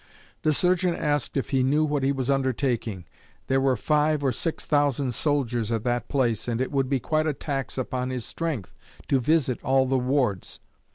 The surgeon asked if he knew what he was undertaking; there were five or six thousand soldiers at that place, and it would be quite a tax upon his strength to visit all the wards.